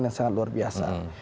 yang sangat luar biasa